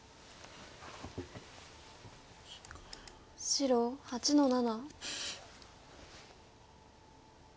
白８の七。